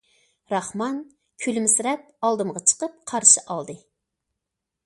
راخمان كۈلۈمسىرەپ ئالدىمغا چىقىپ قارشى ئالدى.